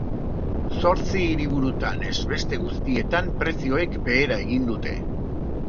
Zortzi hiriburutan ez beste guztietan prezioek behera egin dute.